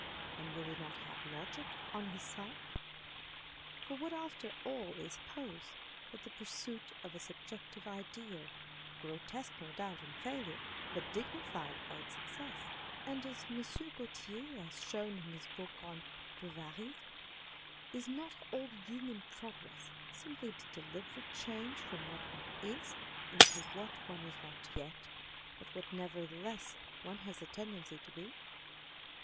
And will he not have logic on his side ? For what after all is pose but the pursuit of a subjective ideal, grotesque no doubt in failure, but dignified by its success. And as M. Gaultier has shown in his book on Bovarysme, is not all human progress simply the deliberate change from what one is, into what one is not yet, but what nevertheless one has a tendency to be